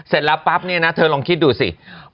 เสร็จแล้วปั๊บเนี่ยนะเธอลองคิดดูสิ